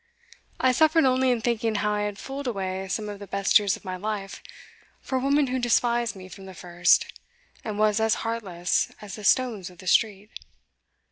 I suffered only in thinking how I had fooled away some of the best years of my life for a woman who despised me from the first, and was as heartless as the stones of the street.